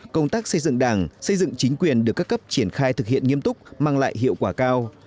công tác xây dựng đảng xây dựng chính quyền được các cấp triển khai thực hiện nghiêm túc mang lại hiệu quả cao